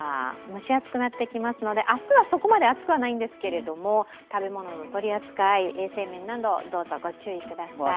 蒸し暑くなってきますので、明日はそこまで暑くないですけど食べ物の取り扱い、衛生面など、どうぞご注意ください。